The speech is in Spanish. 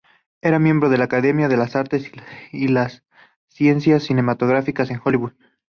Era miembro de la Academia de las Artes y las Ciencias Cinematográficas de Hollywood.